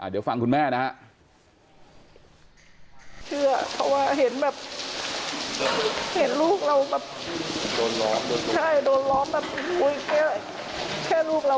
เดี๋ยวฟังคุณแม่นะฮะ